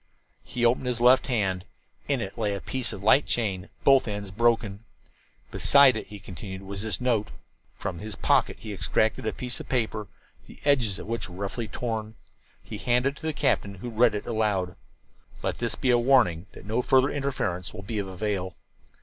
He opened his left hand. In it lay a piece of light chain, both ends broken. "Beside it," he continued, "was this note." From his pocket he extracted a piece of paper, the edges of which were roughly torn. He handed it to the captain, who read aloud: "Let this be a warning that no further interference will be of avail."